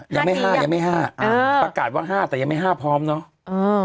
ยังไม่๕ประกาศว่า๕แต่ยังไม่๕พร้อมเนอะอือ